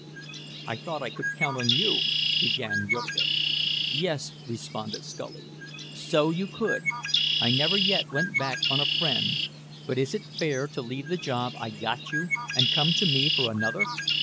"I thought I could count on you," began Jurgis. "Yes," responded Scully, "so you could—I never yet went back on a friend. But is it fair to leave the job I got you and come to me for another?